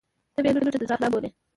ته به مي لوټه د صحرا بولې